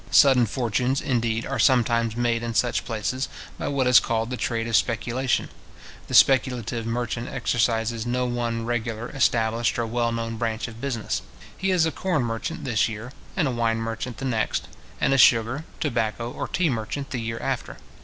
Sudden fortunes, indeed, are sometimes made in such places, by what is called the trade of speculation. The speculative merchant exercises no one regular, established, or well known branch of business. He is a corn merchant this year, and a wine merchant the next, and a sugar, tobacco, or tea merchant the year after.